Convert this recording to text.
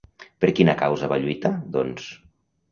Per quina causa va lluitar, doncs?